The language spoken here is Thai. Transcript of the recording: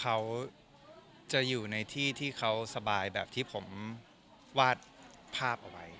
เขาจะอยู่ในที่ที่เขาสบายแบบที่ผมวาดภาพเอาไว้